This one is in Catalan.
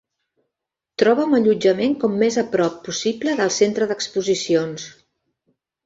Troba'm allotjament com més a prop possible del centre d'exposicions.